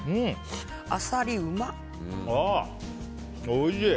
おいしい。